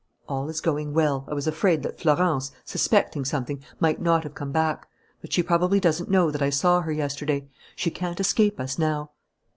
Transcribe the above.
"All is going well. I was afraid that Florence, suspecting something, might not have come back. But she probably doesn't know that I saw her yesterday. She can't escape us now."